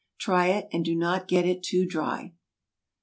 Try it, and do not get it too dry.